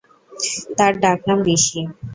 তার ডাক নাম ঋষি।